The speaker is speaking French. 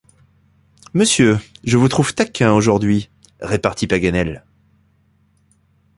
Monsieur, je vous trouve taquin aujourd’hui ! repartit Paganel.